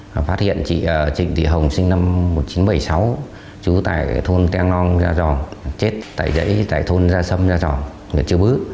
và phát hiện chị trịnh thị hồng sinh năm một nghìn chín trăm bảy mươi sáu chú tải thôn teng long ra giò chết tải dãy tải thôn ra sâm ra giò người chứ bứ